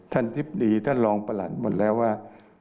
ทิบดีท่านรองประหลัดหมดแล้วว่า